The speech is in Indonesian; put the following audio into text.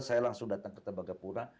saya langsung datang ke tembagapura